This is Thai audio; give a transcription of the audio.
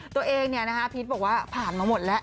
ตัวเองเนี่ยนะฮะพีชบอกว่าผ่านมาหมดแล้ว